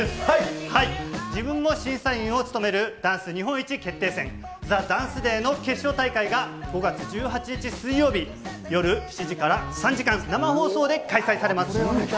自分も審査員を務めるダンス日本一決定戦、ＴＨＥＤＡＮＣＥＤＡＹの決勝大会が、５月１８日水曜日、夜７時から３時間、生放送で開催されます。